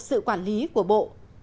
sự quản lý của bộ